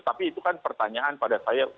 tapi itu kan pertanyaan pada saya